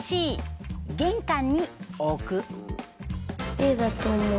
Ａだと思う。